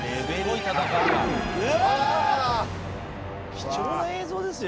貴重な映像ですよ